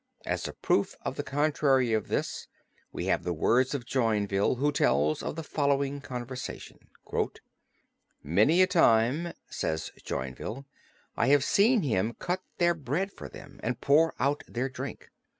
As a proof of the contrary of this we have the words of Joinville who tells of the following conversation: "Many a time," says Joinville, "I have seen him cut their bread for them, and pour out their drink.